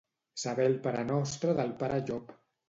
Saber el parenostre del pare Llop.